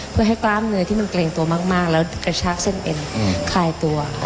เพื่อให้กล้ามเนื้อที่มันเกรงตัวมากแล้วกระชากเส้นเอ็นคลายตัว